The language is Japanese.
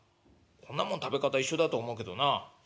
「こんなもん食べ方一緒だと思うけどな。